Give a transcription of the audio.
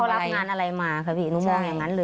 แล้วแต่ว่าเขารับงานอะไรมาค่ะพี่หนูมองอย่างงั้นเลย